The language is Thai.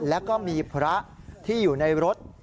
แล้วก็มีพระที่อยู่ในรถ